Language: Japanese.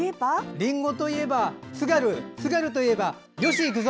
りんごといえばつがる津軽といえば、吉幾三！